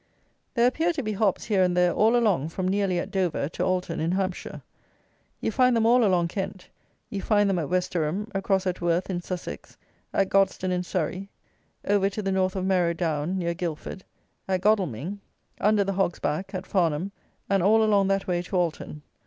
There appear to be hops, here and there, all along from nearly at Dover to Alton, in Hampshire. You find them all along Kent; you find them at Westerham; across at Worth, in Sussex; at Godstone, in Surrey; over to the north of Merrow Down, near Guildford; at Godalming; under the Hog's back, at Farnham; and all along that way to Alton.